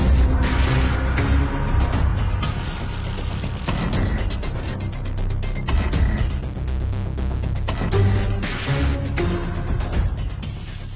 สำรวจไม่ควรทำงานแบบนี้สำรวจไม่ควรทำงานแบบนี้